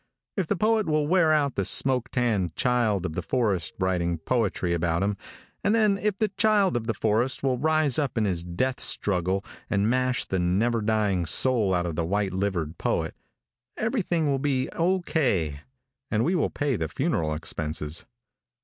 If the poet will wear out the smoke tanned child of the forest writing poetry about him, and then if the child of the forest will rise up in his death struggle and mash the never dying soul out of the white livered poet, everything will be O.K., and we will pay the funeral expenses.